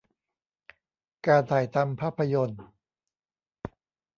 การถ่ายทำภาพยนตร์